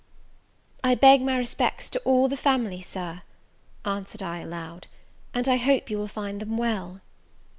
"I beg my respects to all the family, Sir," answered I, aloud; "and I hope you will find them well."